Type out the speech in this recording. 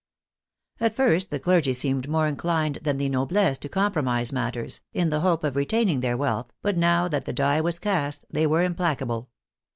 At first the clergy seemed more inclined than the noblesse to compromise matters, in the hope of retaining their wealth, but now that the die was cast they were implacable.